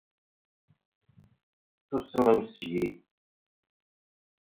Tusmem seg-i.